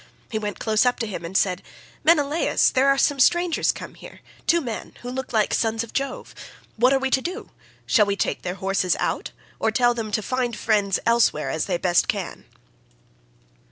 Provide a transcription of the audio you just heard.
He went close up to him and said, "Menelaus, there are some strangers come here, two men, who look like sons of Jove. What are we to do? Shall we take their horses out, or tell them to find friends elsewhere as they best can?"